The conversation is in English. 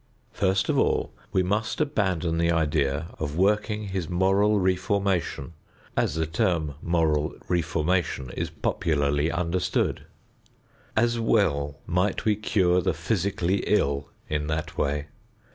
First of all we must abandon the idea of working his moral reformation, as the term "moral reformation" is popularly understood. As well might we cure the physically ill in that way!